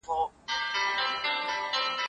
دوه او درې ځایه یې تور وو غوړولی